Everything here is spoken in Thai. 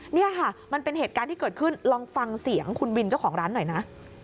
นี่ค่ะมันเป็นเหตุการณ์ที่เกิดขึ้นลองฟังเสียงคุณวินเจ้าของร้านหน่อยนะ